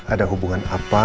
ada hubungan apa